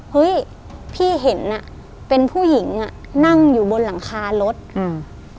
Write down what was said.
เฮ้ยพี่เห็นอ่ะเป็นผู้หญิงอ่ะนั่งอยู่บนหลังคารถอืม